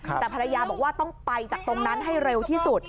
แต่ภรรยาบอกว่าต้องไปจากตรงนั้นให้เร็วที่สุด